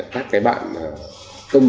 các cái bạn